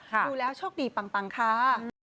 ดูแล้วโชคดีปังค่ะ